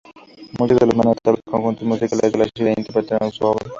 Muchos de los más notables conjuntos musicales de la ciudad interpretaron su obra.